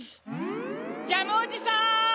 ジャムおじさん！